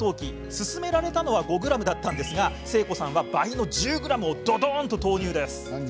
勧められたのは５ｇなんですが誠子さんは倍の１０ｇをドドーンと投入。